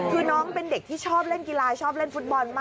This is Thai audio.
คือน้องเป็นเด็กที่ชอบเล่นกีฬาชอบเล่นฟุตบอลมาก